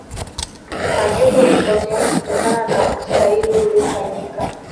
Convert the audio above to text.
majopo hutofautiana kutoka na usaili uliyofanyika